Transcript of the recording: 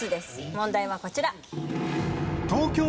問題はこちら。